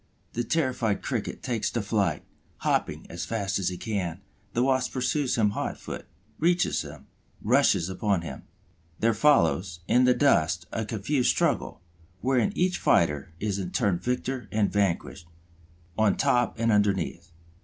The terrified Cricket takes to flight, hopping as fast as he can; the Wasp pursues him hot foot, reaches him, rushes upon him. There follows, in the dust, a confused struggle, wherein each fighter is in turn victor and vanquished, on top and underneath.